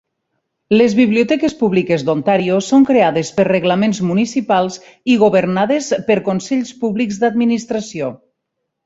Les biblioteques públiques d'Ontario són creades per reglaments municipals i governades per consells públics d'administració.